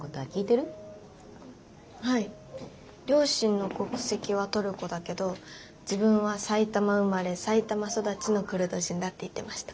両親の国籍はトルコだけど自分は埼玉生まれ埼玉育ちのクルド人だって言ってました。